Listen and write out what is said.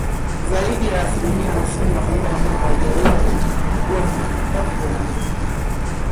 Zaidi ya asilimia hamsini ya wanyama ambao hawajawahi kuugua homa ya mapafu wanaweza kufa